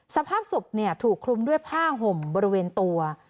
สภาพศพถูกคลุมด้วยผ้าห่มบริเวณตัว